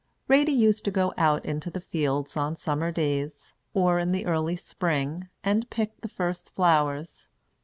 Ratie used to go out into the fields on summer days, or in the early spring, and pick the first flowers.